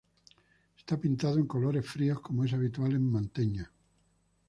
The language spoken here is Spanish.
Está pintado en colores fríos, como es habitual en Mantegna.